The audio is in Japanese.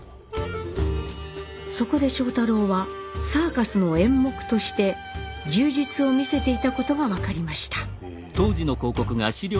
そこで庄太郎はサーカスの演目として「柔術」を見せていたことが分かりました。